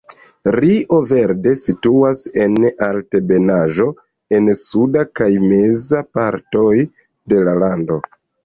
Rio Verde situas en altebenaĵo en suda kaj meza partoj de la lando.